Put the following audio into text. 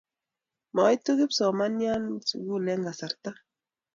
maitu kipsomanian sukul eng kasarta.